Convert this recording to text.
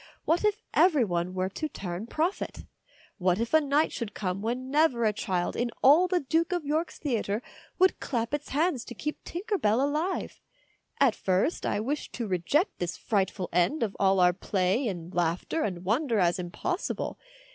What if every one were to turn prophet? What if a night should come when never a child in all the Duke of York's Theatre would clap its hands THE PERIL OF THE FAIRIES 207 to keep Tinker Bell alive? At first I wished to reject this frightful end of all our play and laughter and wonder as impossible.